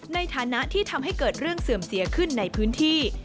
ในฐานะที่ทำให้เกิดเรื่องเสื่อมเสียขึ้นในพื้นที่